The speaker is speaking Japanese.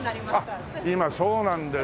今そうなんだよ